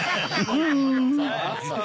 うん。